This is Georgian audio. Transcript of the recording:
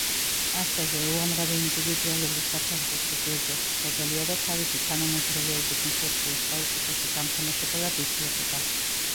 ასევე უამრავი ინდივიდუალური საფეხბურთო ჯილდოს მფლობელია და თავისი თანამედროვეობის მსოფლიოს საუკეთესო გამთამაშებლად ითვლებოდა.